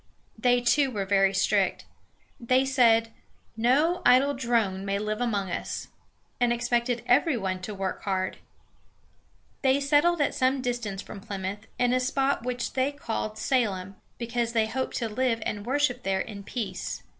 They, too, were very strict. They said, "No idle drone may live among us," and expected every one to work hard. They settled at some distance from Plymouth (map, page 230), in a spot which they called Sa´lem ("Peace"), because they hoped to live and worship there in peace.